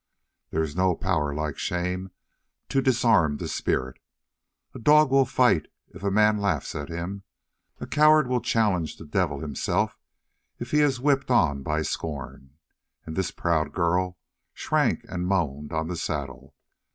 There is no power like shame to disarm the spirit. A dog will fight if a man laughs at him; a coward will challenge the devil himself if he is whipped on by scorn; and this proud girl shrank and moaned on the saddle.